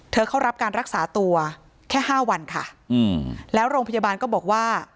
เข้ารับการรักษาตัวแค่ห้าวันค่ะอืมแล้วโรงพยาบาลก็บอกว่า